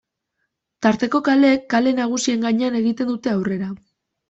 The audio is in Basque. Tarteko kaleek kale nagusien gainean egiten dute aurrera.